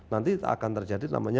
nanti akan terjadi namanya